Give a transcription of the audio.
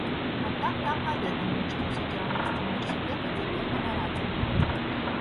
Аднак там паведамілі, што ўсё кіраўніцтва ўніверсітэта цяпер на нарадзе.